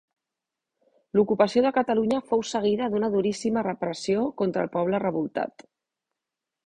L'ocupació de Catalunya fou seguida d'una duríssima repressió contra el poble revoltat.